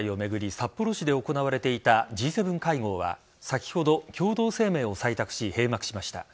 札幌市で行われていたＧ７会合は先ほど、共同声明を採択し閉幕しました。